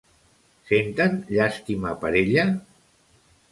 Senten llàstima per ella?